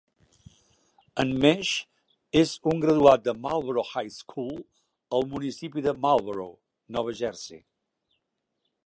En Mesh és un graduat de Marlboro High School al municipi de Marlboro, Nova Jersey.